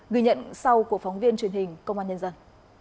ghi nhận sau của phóng viên truyền hình công an nhân dân